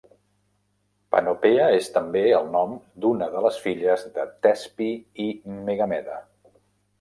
Panopea és també el nom d'una de les filles de Tespi i Megamede.